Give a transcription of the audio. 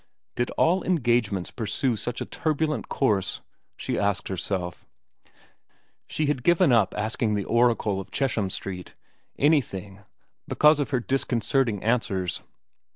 Did all engagements pursue such a turbulent course ? she asked herself, she had given up asking the oracle of Chesham Street anything because of her disconcerting answers.